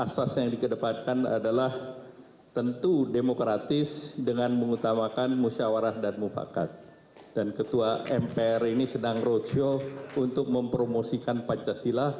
saya memutuskan untuk calling down ketika melihat tensi politik yang makin memanas